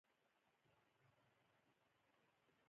ایا مصنوعي ځیرکتیا د ځواک تمرکز نه پیاوړی کوي؟